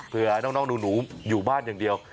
เพื่อน้องหนูอยู่บ้านอย่างเดียว